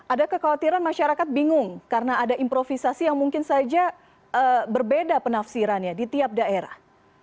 ada kekhawatiran masyarakat bingung karena ada improvisasi yang mungkin saja berbeda penafsirannya di tiap daerah